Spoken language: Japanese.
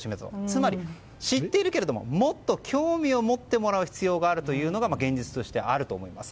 つまり、知っているけれどももっと興味を持ってもらう必要があるというのが現実としてあると思います。